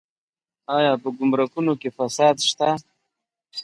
آیا په ګمرکونو کې فساد شته؟